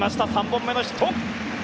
３本目のヒット！